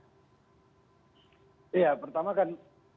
ya pertama kan